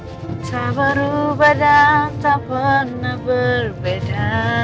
kita berubah dan tak pernah berbeda